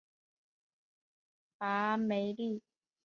戈梅利。